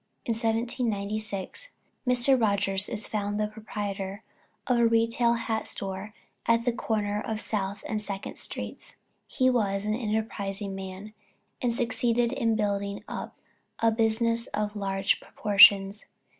In 1796 Mr. Rogers is found the proprietor of a retail hat store at the corner of South and Second streets. He was an enterprising man, and succeeded in building up a business of large proportions.